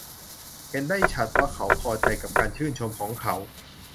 เห็นได้ชัดว่าเขาพอใจกับการชื่นชมของเขา